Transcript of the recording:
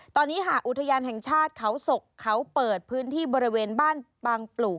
ตอนนี้หากอุทยานแห่งชาติเขาศกเขาเปิดพื้นที่บริเวณบ้านบางปลูก